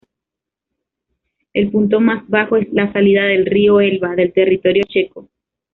El punto más bajo es la salida del río Elba del territorio checo.